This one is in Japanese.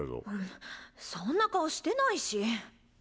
そんな顔してないし。